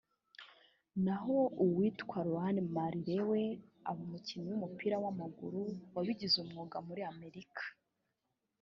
na ho uwitwa ‘Rohan Marley’ we aba umukinnyi w’umupira w’amaguru wabigize umwuga muri Amerika